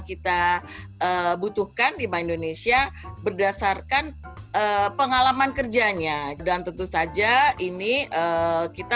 kita butuhkan di indonesia berdasarkan pengalaman kerjanya dan tentu saja ini kita